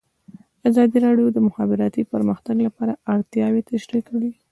ازادي راډیو د د مخابراتو پرمختګ د پراختیا اړتیاوې تشریح کړي.